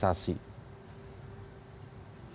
yang dinilai sebagai kriminalisasi